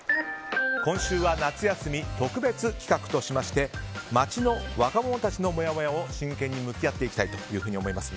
今週は夏休み特別企画として街の若者たちのもやもやに真剣に向き合っていきたいと思います。